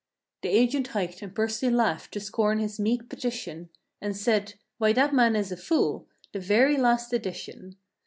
The agent hiked and Percy laughed to scorn his meek petition And said "Why that man is a fool—the very last edition."